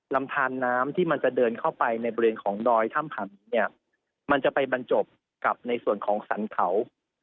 ลำทานน้ำที่มันจะเดินเข้าไปในบริเวณของดอยถ้ำผันเนี่ยมันจะไปบรรจบกับในส่วนของสรรเขา